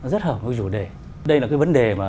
rất hợp với chủ đề đây là cái vấn đề mà